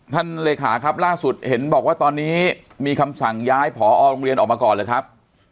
เลขาครับล่าสุดเห็นบอกว่าตอนนี้มีคำสั่งย้ายผอโรงเรียนออกมาก่อนหรือครับ